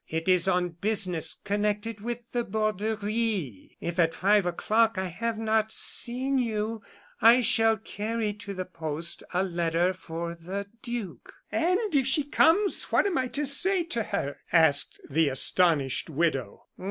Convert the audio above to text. It is on business connected with the Borderie. If at five o'clock I have not seen you, I shall carry to the post a letter for the duke." "And if she comes what am I to say to her?" asked the astonished widow.